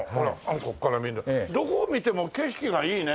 ここから見るどこを見ても景色がいいね。